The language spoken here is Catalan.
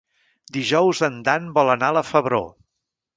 Dijous en Dan vol anar a la Febró.